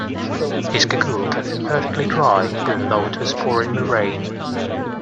His cagoule kept him perfectly dry even though it was pouring with rain